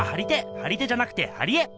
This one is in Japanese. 張り手じゃなくて貼り絵！